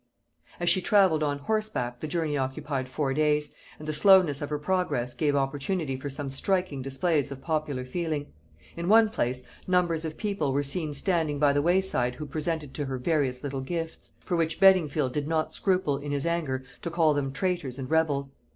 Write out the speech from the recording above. As she travelled on horseback the journey occupied four days, and the slowness of her progress gave opportunity for some striking displays of popular feeling. In one place, numbers of people were seen standing by the way side who presented to her various little gifts; for which Beddingfield did not scruple, in his anger, to call them traitors and rebels.